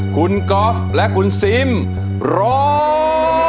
คุณก๊อฟและคุณซิมร้อง